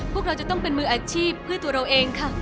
พวกเราจะต้องเป็นมืออาชีพเพื่อตัวเราเองค่ะ